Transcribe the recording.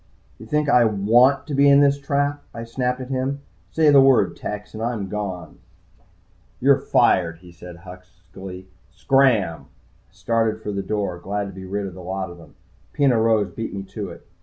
"You think I want to be in this trap?" I snapped at him. "Say the word, Tex, and I'm gone." "You're fired," he said huskily. "Scram!" I started for the door, glad to be rid of the lot of them. Peno Rose beat me to it.